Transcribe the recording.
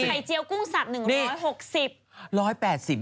ไข่เจียวกุ้งสัตว์๑๖๐